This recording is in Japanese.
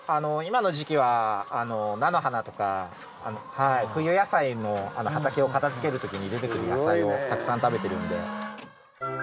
今の時期は菜の花とか冬野菜も畑を片付ける時に出てくる野菜をたくさん食べてるので。